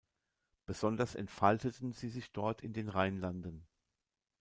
Besonders entfalteten sie sich dort in den Rheinlanden.